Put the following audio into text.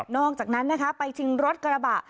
นอกจากนั้นไปชิงรถกระบะ